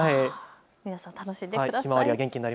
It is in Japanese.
皆さん、楽しんでください。